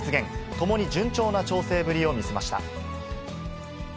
ともに順調な調整ぶりを見せました。